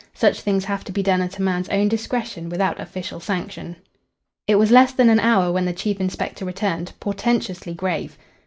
Such things have to be done at a man's own discretion without official sanction. It was less than an hour when the chief inspector returned, portentously grave.